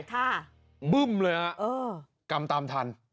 ครับบึ้มเลยอ่ะเออกรรมตามทัน